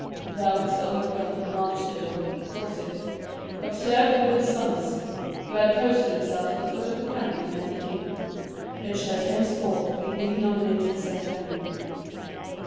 "Thou hast undergone a martyrdom, gossip," observed Will Sommers, who had posted himself at the foot of the canopy, near the king, "and shalt henceforth be denominated Saint Henry."